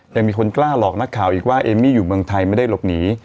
ยังมีคนกล้าหลอกนักข่าวอีกว่าเอมมี่อยู่เมืองไทยไม่ได้หลบหนี